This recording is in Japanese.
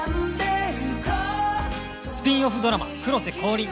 スピンオフドラマ『黒瀬降臨！』